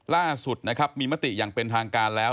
ล่าสุดนะครับมีมติอย่างเป็นทางการแล้ว